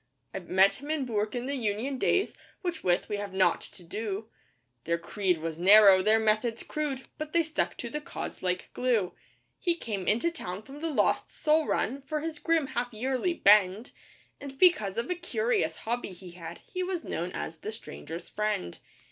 I met him in Bourke in the Union days with which we have nought to do (Their creed was narrow, their methods crude, but they stuck to 'the cause' like glue). He came into town from the Lost Soul Run for his grim half yearly 'bend,' And because of a curious hobby he had, he was known as 'The Stranger's Friend.